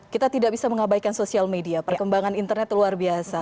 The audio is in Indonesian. kita tidak bisa mengabaikan sosial media perkembangan internet luar biasa